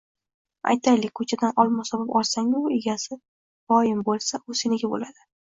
Aytaylik, ko‘chadan olmos topib olsang-u egasi boim asa, u seniki bo‘ladi.